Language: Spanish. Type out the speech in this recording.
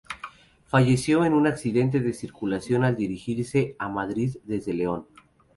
Falleció en un accidente de circulación al dirigirse a Madrid desde León.